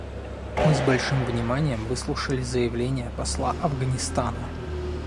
Мы с большим вниманием выслушали заявление посла Афганистана.